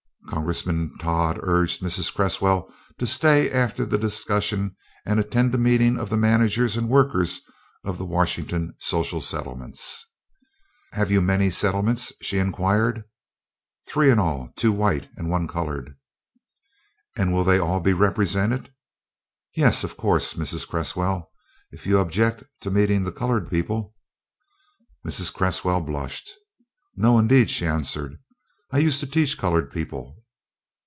Congressmen Todd urged Mrs. Cresswell to stay after the discussion and attend a meeting of the managers and workers of the Washington social settlements. "Have you many settlements?" she inquired. "Three in all two white and one colored." "And will they all be represented?" "Yes, of course, Mrs. Cresswell. If you object to meeting the colored people " Mrs. Cresswell blushed. "No, indeed," she answered; "I used to teach colored people."